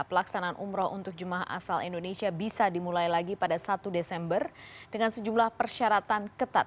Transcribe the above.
pelaksanaan umroh untuk jemaah asal indonesia bisa dimulai lagi pada satu desember dengan sejumlah persyaratan ketat